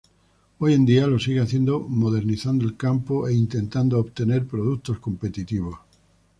Hoy en día lo sigue haciendo, modernizando el campo e intentando obtener productos competitivos.